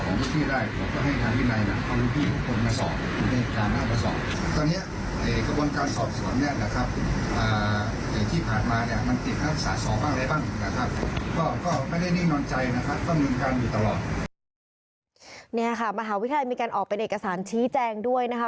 นี่ค่ะมหาวิทยาลัยมีการออกเป็นเอกสารชี้แจงด้วยนะคะ